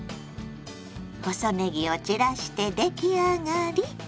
細ねぎを散らして出来上がり。